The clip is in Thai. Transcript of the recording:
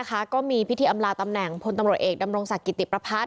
กล้าวเจ้าอยู่หัวรัชการที่๔